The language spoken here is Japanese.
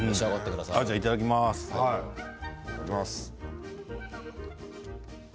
いただきます。